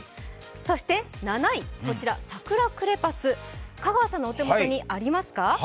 そして７位、サクラクレパス、香川さんのお手元にありますか？